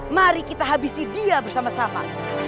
mari kita habisi dia bersama sama